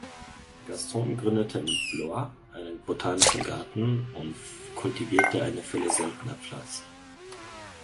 Gaston gründete in Blois einen botanischen Garten und kultivierte eine Fülle seltener Pflanzen.